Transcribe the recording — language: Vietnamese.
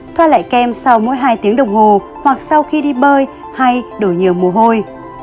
thoa lại kem sau mỗi hai tiếng đồng hồ hoặc sau khi đi bơi hay đổi nhiều mồ hôi